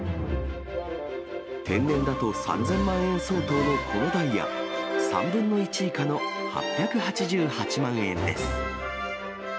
天然だと３０００万円相当のこのダイヤ、３分の１以下の８８８万円です。